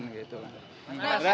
nah itu aja ini